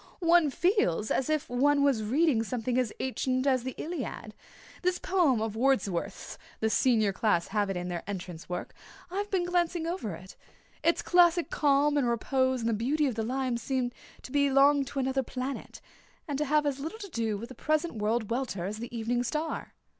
One feels as if one was reading something as ancient as the Iliad. This poem of Wordsworth's the Senior class have it in their entrance work I've been glancing over it. Its classic calm and repose and the beauty of the lines seem to belong to another planet, and to have as little to do with the present world welter as the evening star."